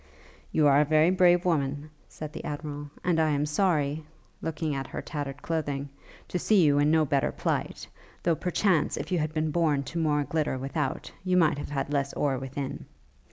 'You are a very brave woman,' said the Admiral, 'and I am sorry,' looking at her tattered clothing, 'to see you in no better plight: though, perchance, if you had been born to more glitter without, you might have had less ore within.